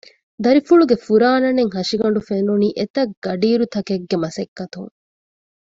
ދަރިފުޅުގެ ފުރާނަނެތް ހަށިގަނޑު ފެނުނީ އެތަށް ގަޑިއިރުތަކެއްގެ މަސައްކަތުން